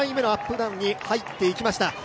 ダウンに入っていきました。